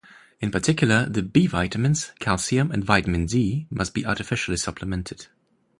In particular, the B vitamins, calcium and vitamin D must be artificially supplemented.